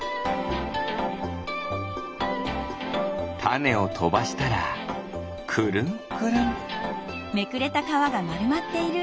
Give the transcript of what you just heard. たねをとばしたらくるんくるん。